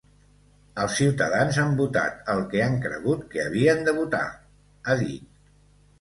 Els ciutadans han votat el que han cregut que havien de votar –ha dit–.